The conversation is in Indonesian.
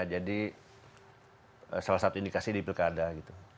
jadi salah satu indikasi di pilkada gitu